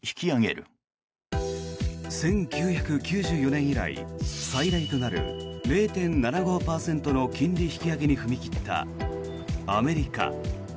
１９９４年以来最大となる０．７５％の金利引き上げに踏み切ったアメリカ。